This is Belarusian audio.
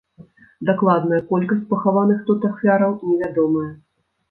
Дакладная колькасць пахаваных тут ахвяраў невядомая.